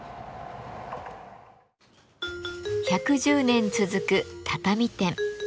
１１０年続く畳店。